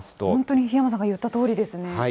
本当に檜山さんが言ったとおりですね。